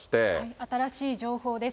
新しい情報です。